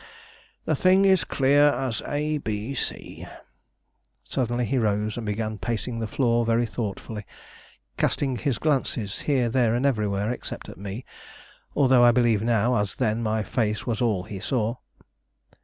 The thing is clear as A, B, C." Suddenly he rose, and began pacing the floor very thoughtfully, casting his glances here, there, and everywhere, except at me, though I believe now, as then, my face was all he saw.